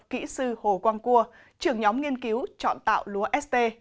kỹ sư hồ quang cua trưởng nhóm nghiên cứu chọn tạo lúa st